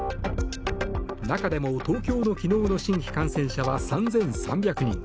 中でも、東京の昨日の新規感染者は３３００人。